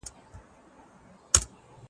موږ ته په ځان باور راکوي.